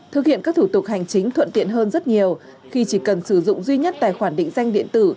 thực hiện các thủ tục hành chính thuận tiện hơn rất nhiều khi chỉ cần sử dụng duy nhất tài khoản định danh điện tử